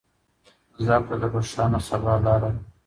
زده کړه د روښانه سبا لاره ده.